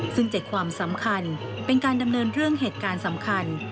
ซึ่ง๗ความสำคัญเป็นการดำเนินเรื่องเหตุการณ์สำคัญ